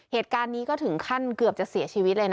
เหตุการณ์นี้ก็ถึงขั้นเกือบจะเสียชีวิตเลยนะ